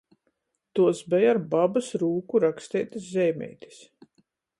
Tuos beja ar babys rūku raksteitys zeimeitis.